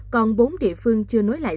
còn bốn địa phương chưa nối lại